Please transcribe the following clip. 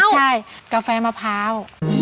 ใช่กาแฟมะพร้าว